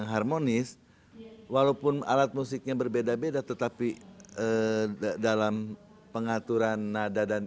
sampai jumpa di video selanjutnya